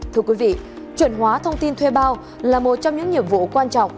thưa quý vị chuẩn hóa thông tin thuê bao là một trong những nhiệm vụ quan trọng